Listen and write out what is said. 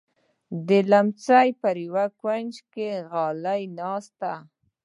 د ليمڅي پر يوه کونج غلې کېناسته.